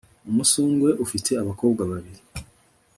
umusundwe ufite abakobwa babiri